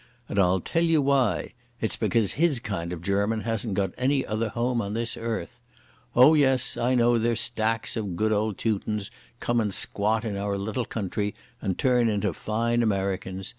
And I'll tell you why. It's because his kind of German hasn't got any other home on this earth. Oh, yes, I know there's stacks of good old Teutons come and squat in our little country and turn into fine Americans.